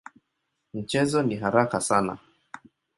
Mchezo ni haraka sana.